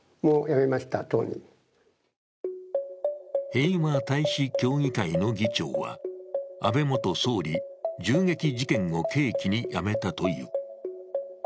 平和大使協議会の議長は、安倍元総理銃撃事件を契機に辞めたという。